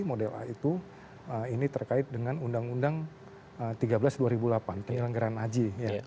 model a itu ini terkait dengan undang undang tiga belas dua ribu delapan penyelenggaran haji